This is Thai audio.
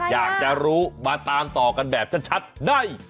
อยากจะรู้มาตามต่อกันแบบชัดได้